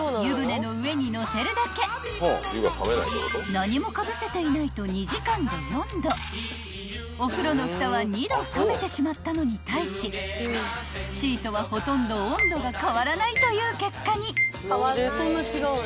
［何もかぶせていないと２時間で４℃お風呂のふたは２℃冷めてしまったのに対しシートはほとんど温度が変わらないという結果に］